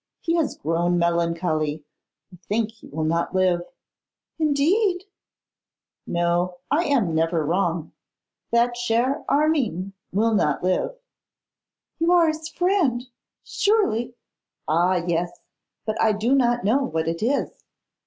He has grown melancholy. I think he will not live.' 'Indeed!' 'No, I am never wrong. That cher Armine will not live.' 'You are his friend, surely ' 'Ah! yes; but I do not know what it is.